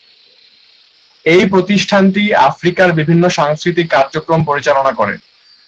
এই প্রতিষ্ঠানটি আফ্রিকার বিভিন্ন সাংস্কৃতিক কার্যক্রম পরিচালনা করে।